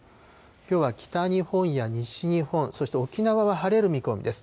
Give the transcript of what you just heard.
きょうは北日本や西日本、そして沖縄は晴れる見込みです。